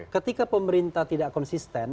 ketika pemerintah tidak konsisten